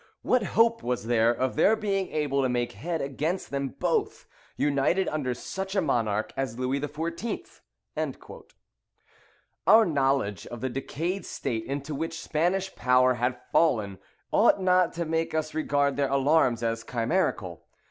What hope was there of their being able to make head against them both, united under such a monarch as Louis XIV.?" [Military History of the Duke of Marlborough, p. 32.] Our knowledge of the decayed state into which the Spanish power had fallen, ought not to make us regard their alarms as chimerical.